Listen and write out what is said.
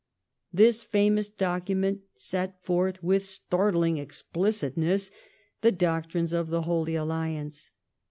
This famous docu J ment set forth with startling explicitness the doctrines of the Holy I Alliance.